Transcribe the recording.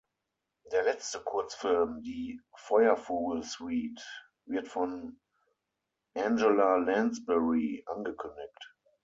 Der letzte Kurzfilm, die "Feuervogel-Suite", wird von Angela Lansbury angekündigt.